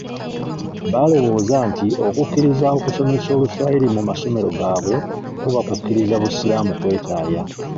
Baalowooza nti okukkiriza okusomesa Oluswayiri mu masomero gaabwe kuba kukkiriza busiraamu kwetaaya.